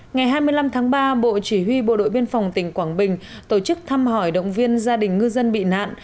ngày hai mươi năm tháng ba bộ chỉ huy bộ đội biên phòng tỉnh quảng bình tổ chức thăm hỏi động viên gia đình ngư dân bị nạn